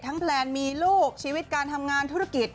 แพลนมีลูกชีวิตการทำงานธุรกิจ